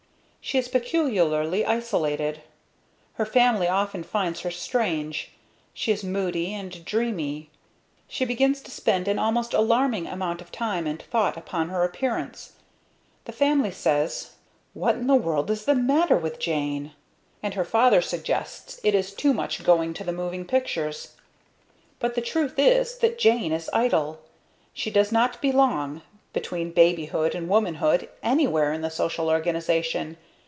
She is peculiarly isolated. Her family often finds her strange. She is moody and dreamy. She begins to spend an almost alarming amount of time and thought upon her appearance. The family says: "What in the world is the matter with Jane?" And her father suggests it is too much going to the moving pictures. But the truth is that Jane is idle. She does not belong, between babyhood and womanhood, anywhere in the social organization.